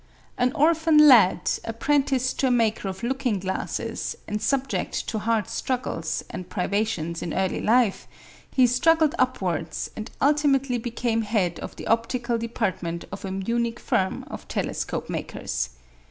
An orphan lad, apprenticed to a maker of looking glasses, and subject to hard struggles and privations in early life, he struggled upwards, and ultimately became head of the optical department of a Munich firm of telescope makers.